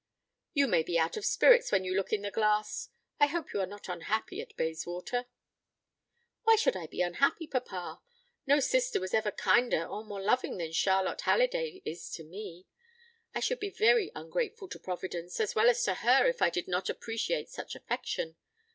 "You may be out of spirits when you look in the glass. I hope you are not unhappy at Bayswater." "Why should I be unhappy, papa? No sister was ever kinder or more loving than Charlotte Halliday is to me. I should be very ungrateful to Providence as well as to her if I did not appreciate such affection.